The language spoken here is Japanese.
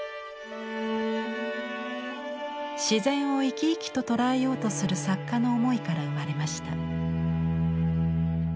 自然を生き生きと捉えようとする作家の思いから生まれました。